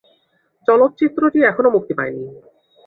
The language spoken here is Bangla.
চলচ্চিত্রটি এখনো মুক্তি পায়নি।